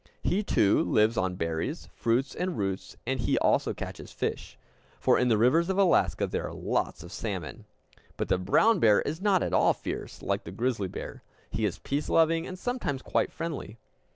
He too lives on berries, fruits, and roots, and he also catches fish. For in the rivers of Alaska there are lots of salmon. But the brown bear is not at all fierce, like the grizzly bear. He is peace loving, and sometimes quite friendly.